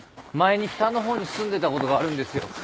前に北の方に住んでたことがあるんですよ。